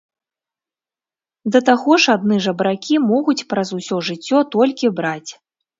Да таго ж адны жабракі могуць праз усё жыццё толькі браць.